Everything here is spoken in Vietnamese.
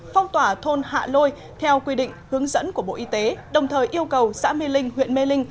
phong tỏa thôn hạ lôi theo quy định hướng dẫn của bộ y tế đồng thời yêu cầu xã mê linh huyện mê linh